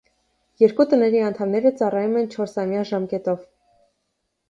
Երկու տների անդամները ծառայում են չորսամյա ժամկետով։